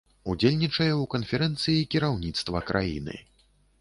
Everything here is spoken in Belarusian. Удзельнічае ў канферэнцыі кіраўніцтва краіны.